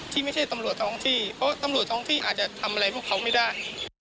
ที่ไม่ใช่ตำรวจท้องที่เพราะตำรวจท้องที่อาจจะทำอะไรพวกเขาไม่ได้